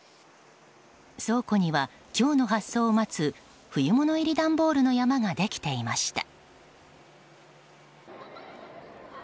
倉庫には、今日の発送を待つ冬物入り段ボールの山ができていました。